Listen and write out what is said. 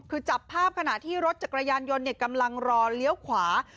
คือจับภาพขณะที่รถจักรยานยนต์กำลังรอเลี้ยวขวา